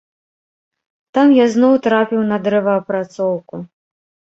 Там я зноў трапіў на дрэваапрацоўку.